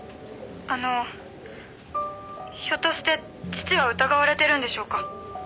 「あのひょっとして父は疑われてるんでしょうか？」